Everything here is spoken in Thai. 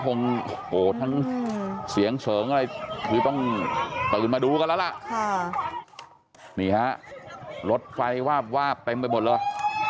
ทั้งเสียงเฉิงอะไรต้องตื่นมาดูกันแล้วละรถไฟวาบวาบไปหมด